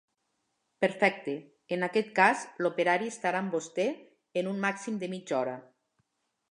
Perfecte, en aquest cas l'operari estarà amb vostè en un màxim de mitja hora.